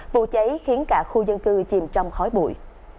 vụ cháy khiến cả khu dân cư chìm trong khói bụi